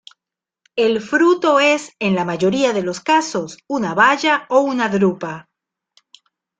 El fruto es en la mayoría de los casos una baya o una drupa.